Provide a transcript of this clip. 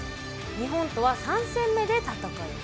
日本とは３戦目で戦います。